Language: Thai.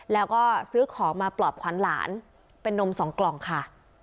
แล้วก็ซื้อของมาปลอบขวัญหลานเป็นนมสองกล่องค่ะ